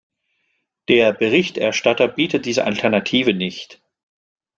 Der Berichterstatter bietet diese Alternative nicht.